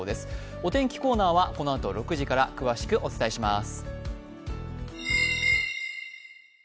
お天気コーナーはこのあと６時から詳しくお伝えします。